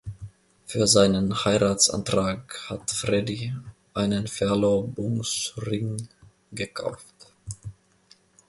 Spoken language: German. Für seinen Heiratsantrag hat Fredi einen Verlobungsring gekauft.